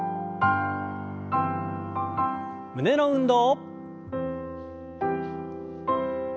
胸の運動。